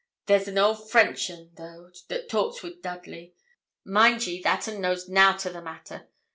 There's an old French un, though, that talks wi' Dudley. Mind ye, that un knows nout o' the matter.